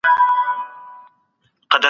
د مړینې درد له ژوند څخه کم دی.